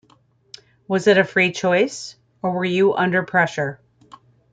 Was it a free choice, or were you under pressure?